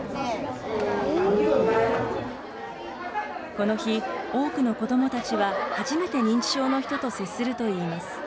この日、多くの子どもたちは、初めて認知症の人と接するといいます。